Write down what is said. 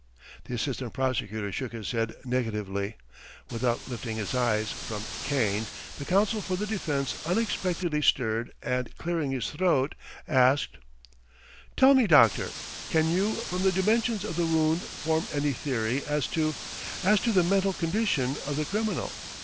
The assistant prosecutor shook his head negatively, without lifting his eyes from "Cain"; the counsel for the defence unexpectedly stirred and, clearing his throat, asked: "Tell me, doctor, can you from the dimensions of the wound form any theory as to ... as to the mental condition of the criminal?